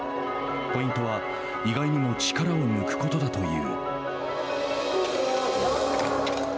ポイントは、意外にも力を抜くことだという。